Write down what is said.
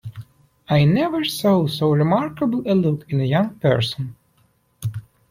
I never saw so remarkable a look in a young person.